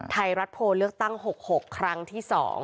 ไทยรัฐโพลเลือกตั้ง๖๖ครั้งที่๒